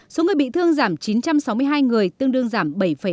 số người bị thương giảm chín trăm sáu mươi hai người tương đương giảm bảy ba mươi